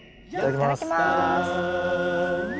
いただきます。